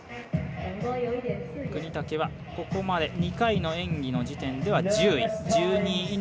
國武はここまで２回の演技の時点では１０位。